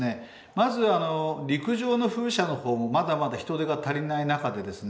まず陸上の風車の方もまだまだ人手が足りない中でですね